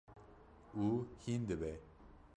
û hîn dibe.